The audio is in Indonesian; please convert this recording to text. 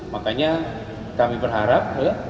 makanya kami berharap